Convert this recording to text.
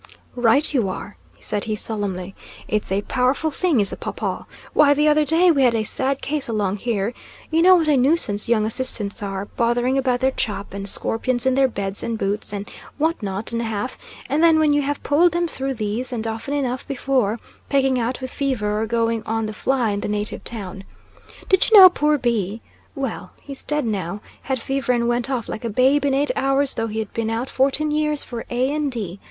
"Right you are," said he solemnly. "It's a powerful thing is the paw paw. Why, the other day we had a sad case along here. You know what a nuisance young assistants are, bothering about their chop, and scorpions in their beds and boots, and what not and a half, and then, when you have pulled them through these, and often enough before, pegging out with fever, or going on the fly in the native town. Did you know poor B ? Well! he's dead now, had fever and went off like a babe in eight hours though he'd been out fourteen years for A and D